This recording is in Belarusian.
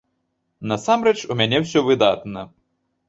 Насамрэч, у мяне ўсё выдатна!